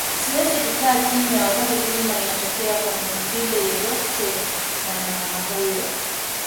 Siwezi kukaa kimya wakati dhulma inatokea kwa kiumbe yeyote mwanamama huyo